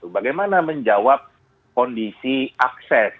bagaimana menjawab kondisi akses